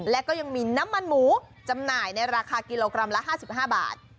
และก็ยังมีน้ำมันหมูจำหน่ายในราคากิโลกรัมละ๕๕บาท